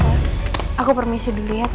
tante aku permisi dulu ya tante